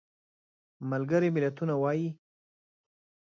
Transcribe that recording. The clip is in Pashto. ملګري ملتونه وایي.